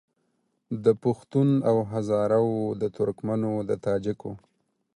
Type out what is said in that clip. د پښتون او هزاره وو د ترکمنو د تاجکو